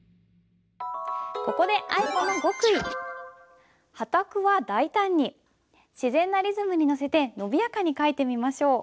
ここで自然なリズムにのせてのびやかに書いてみましょう。